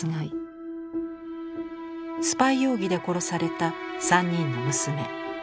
スパイ容疑で殺された３人の娘。